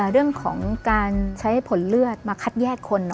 เรื่องของการใช้ผลเลือดมาคัดแยกคน